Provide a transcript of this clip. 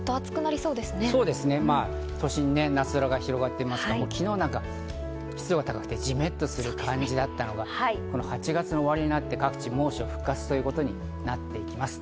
そうですね、都心は夏空が広がっていますが、昨日は湿度が高くてジメっとする感じだったのが８月の終わりになって各地、猛暑復活ということになってきます。